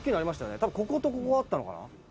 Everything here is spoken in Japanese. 「多分こことここがあったのかな」